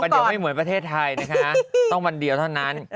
เดี๋ยวไม่เหมือนประเทศไทยนะคะต้องวันเดียวเท่านั้น